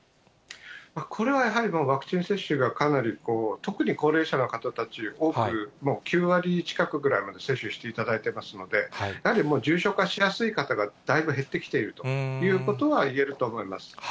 これはやはり、ワクチン接種がかなり、特に高齢者の方たち多く、もう９割近くぐらいまで接種していただいていますので、やはりもう重症化しやすい方がだいぶ減ってきているということは言えると思います。